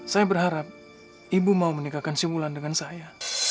saya berharap ibu mau menikahkan si wulan dengan saya